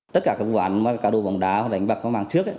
tất cả các vụ án cả đồ bóng đá đánh bạc đánh bạc trước